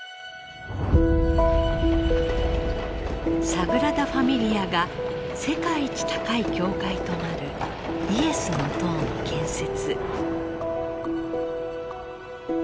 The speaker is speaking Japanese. サグラダ・ファミリアが世界一高い教会となるイエスの塔の建設。